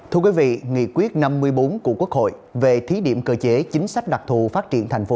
thưa quý vị nghị quyết năm mươi bốn của quốc hội về thí điểm cơ chế chính sách đặc thù phát triển thành phố